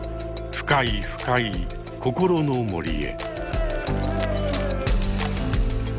深い深い「心の森」へ。